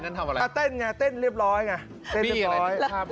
ทำอะไรอ่ะเต้นไงเต้นเรียบร้อยไงเต้นเรียบร้อยครับ